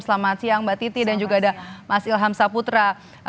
selamat siang mbak titi dan juga ada mas ilham saputra